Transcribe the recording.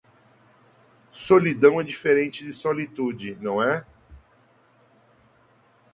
Solidão é diferente de solitude, não é?